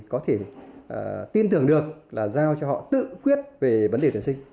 có thể tin tưởng được là giao cho họ tự quyết về vấn đề tuyển sinh